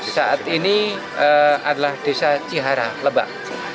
saat ini adalah desa cihara lebak